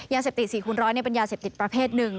ยาเสพติด๔คูณร้อยเป็นยาเสพติดประเภทหนึ่ง